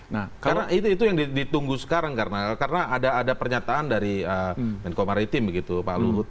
nah karena itu yang ditunggu sekarang karena ada pernyataan dari menko maritim begitu pak luhut